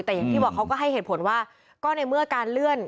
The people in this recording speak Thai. แต่อย่างที่บอกเขาก็ให้เหตุผลว่าก็ในเมื่อการเลื่อน